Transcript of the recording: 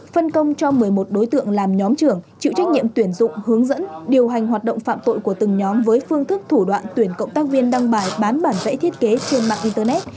phân công cho một mươi một đối tượng làm nhóm trưởng chịu trách nhiệm tuyển dụng hướng dẫn điều hành hoạt động phạm tội của từng nhóm với phương thức thủ đoạn tuyển cộng tác viên đăng bài bán bản vẽ thiết kế trên mạng internet